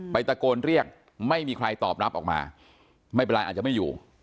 ตะโกนเรียกไม่มีใครตอบรับออกมาไม่เป็นไรอาจจะไม่อยู่